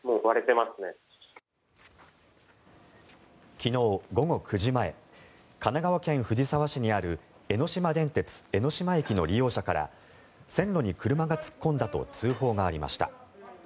昨日午後９時前神奈川県藤沢市にある江ノ島電鉄江ノ島駅の利用者から線路に車が突っ込んだと通報がありました。